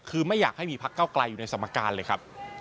คือไม่อยากให้มีพักเก้าไกลอยู่ในสมการเลยครับ